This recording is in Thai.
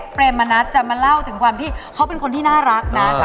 คุณเป๊กเปรมมะนัดจะมาเล่าถึงความที่เขาเป็นคนที่น่ารักนะ